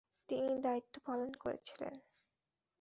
তিনি দায়িত্ব পালন করে ছিলেন।